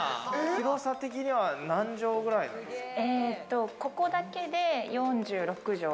広さ的には何畳くらいあるんですか？